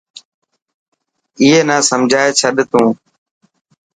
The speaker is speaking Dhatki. اي نا سمجهائي ڇڏ تون.